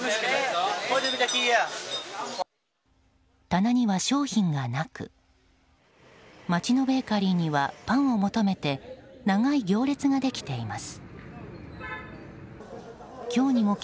棚には商品がなく街のベーカリーにはパンを求めて長い行列ができています。